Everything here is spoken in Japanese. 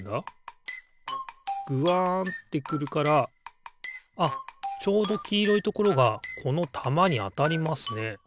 ぐわんってくるからあっちょうどきいろいところがこのたまにあたりますね。